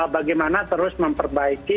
bagaimana terus memperbaiki